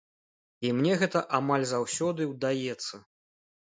І мне гэта амаль заўсёды ўдаецца.